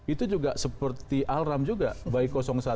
itu juga seperti alarm juga bagi satu